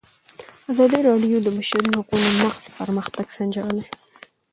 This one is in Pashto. ازادي راډیو د د بشري حقونو نقض پرمختګ سنجولی.